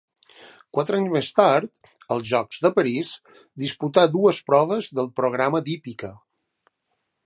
Quatre anys més tard, als Jocs de París, disputà dues proves del programa d'hípica.